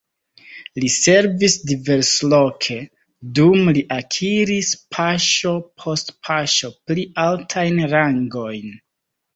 Li servis diversloke, dum li akiris paŝo post paŝo pli altajn rangojn.